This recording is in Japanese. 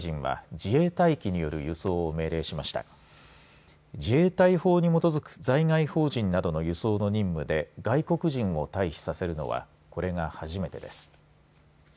自衛隊法に基づく在外邦人などの輸送の任務で外国人を退避させるのはこれが初めてです。